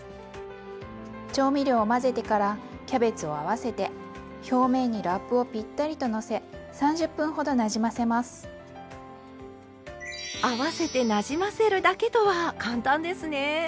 調味料を混ぜてからキャベツを合わせて表面に合わせてなじませるだけとは簡単ですね。